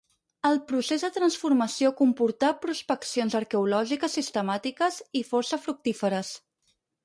El procés de transformació comportà prospeccions arqueològiques sistemàtiques, i força fructíferes.